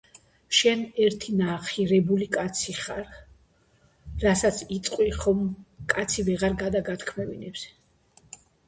-შენ ერთინახირებული კაცი ხარ:რასაც იტყვი, ხომ კაცი ვეღარ გადაგათქმევინებს?!